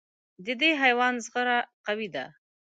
د دې حیوان زغره قوي ده.